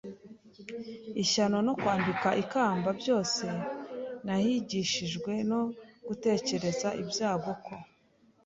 ishyano, no kwambika ikamba byose, Nahigishijwe no gutekereza ibyago ko